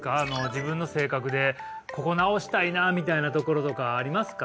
自分の性格で「ここ直したいな」みたいなところとかありますか？